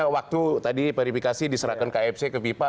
waktu tadi verifikasi diserahkan ke afc ke fifa